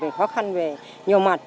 nếu có khó khăn về nhiều mặt